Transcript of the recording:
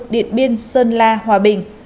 điện biên sơn la hòa bình